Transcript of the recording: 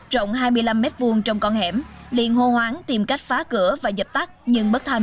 rộng hai mươi năm m hai trong con hẻm liền hô hoáng tìm cách phá cửa và dập tắt nhưng bất thành